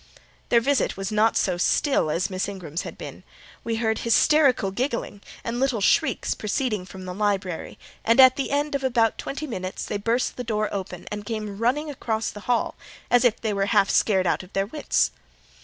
Their visit was not so still as Miss Ingram's had been: we heard hysterical giggling and little shrieks proceeding from the library; and at the end of about twenty minutes they burst the door open, and came running across the hall, as if they were half scared out of their wits.